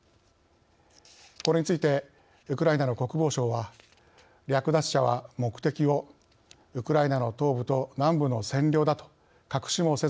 これについてウクライナの国防省は「略奪者は目的をウクライナの東部と南部の占領だと隠しもせずに認めた。